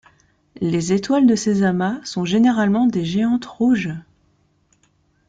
Les étoiles de ces amas sont généralement des géantes rouges.